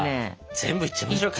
全部いっちゃいましょうか？